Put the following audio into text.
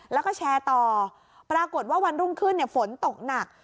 แล้วก็แชร์ต่อปรากฏว่าวันรุ่งขึ้นฝนตกหนัก